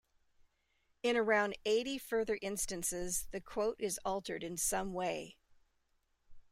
In around eighty further instances, the quote is altered in some way.